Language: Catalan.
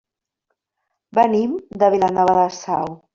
Venim de Vilanova de Sau.